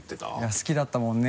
「好きだったもんね」